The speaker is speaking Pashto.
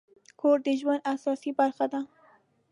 کور د ژوند اساسي برخه ده.